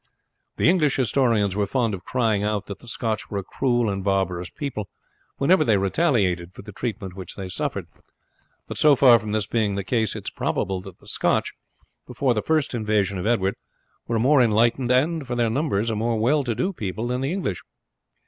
The English historians were fond of crying out that the Scotch were a cruel and barbarous people whenever they retaliated for the treatment which they suffered; but so far from this being the case, it is probable that the Scotch, before the first invasion of Edward, were a more enlightened and, for their numbers, a more well to do people than the English.